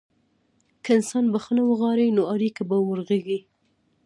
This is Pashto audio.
که انسان بخښنه وغواړي، نو اړیکه به ورغېږي.